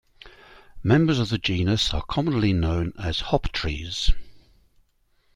Members of the genus are commonly known as hoptrees.